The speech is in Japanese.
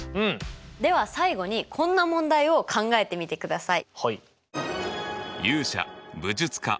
では最後にこんな問題を考えてみてください。